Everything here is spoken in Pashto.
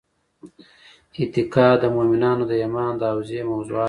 اعتقاد د مومنانو د ایمان د حوزې موضوعات دي.